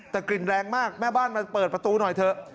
แต่กลิ่นแรงมากแม่บ้านมาเปิดประตูหน่อยเถอะ